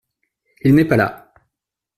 Il n’est pas là !